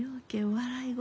笑い声